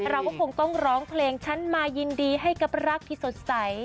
เราก็คงต้องร้องเพลงฉันมายินดีให้กับรักที่สดใส